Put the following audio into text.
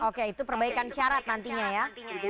oke itu perbaikan syarat nantinya ya